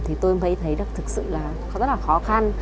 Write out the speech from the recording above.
thì tôi mới thấy rất là khó khăn